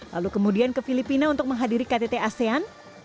lalu kemudian ke filipina untuk menghadiri ktt asean